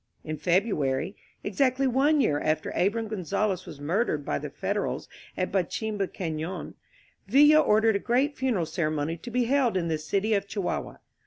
In February, exactly one year after Abram Gonzales was murdered by the Federals at Bachimba Canon, Villa ordered a great funeral cere mony to be held in the City of Chihuahua.